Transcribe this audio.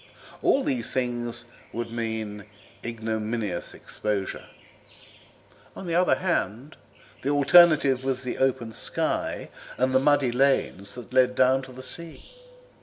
All these things would mean ignominious exposure. On the other hand, the alternative was the open sky and the muddy lanes that led down to the sea.